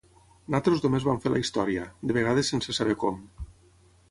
Nosaltres només vam fer la història, de vegades sense saber com.